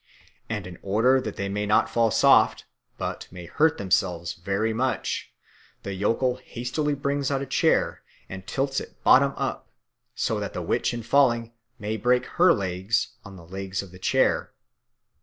And in order that they may not fall soft, but may hurt themselves very much, the yokel hastily brings out a chair and tilts it bottom up so that the witch in falling may break her legs on the legs of the chair.